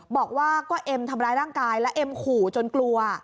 บอกว่าก็เอ็มทำร้ายร่างกายและเอ็มขู่จนกลัว